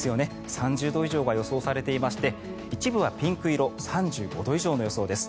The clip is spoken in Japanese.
３０度以上が予想されていて一部はピンク色３５度以上の予想です。